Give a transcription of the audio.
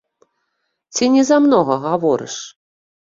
Ці не замнога гаворыш?